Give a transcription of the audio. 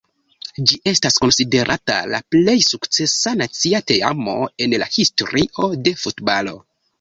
Ĝi estas konsiderata la plej sukcesa nacia teamo en la historio de futbalo.